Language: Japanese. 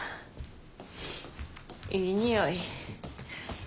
いい匂い。